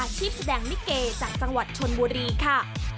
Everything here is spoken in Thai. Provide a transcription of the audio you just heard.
ชื่อแสดงลิเกจากจังหวัดชนบุรีค่ะ